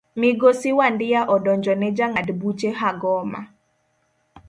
Migosi wandia odonjo ne jang'ad buche Hagoma.